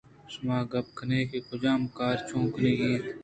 شما گپ کنیں کہ کجام کار چون کنگی اِنت